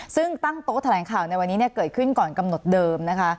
ซึ่งตั้งโต๊ะแถลงข่าวในวันนี้เกิดขึ้นก่อนกำหนดเดิมนะคะ